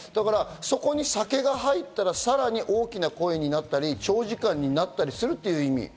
そこに酒が入ったら、さらに大きな声になったり、長時間になったりするっていう意味。